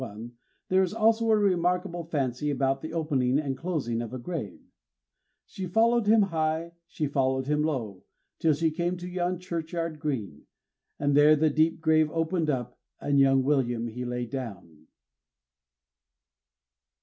151) there is also a remarkable fancy about the opening and closing of a grave: She followed him high, she followed him low, Till she came to yon churchyard green; And there the deep grave opened up, And young William he lay down.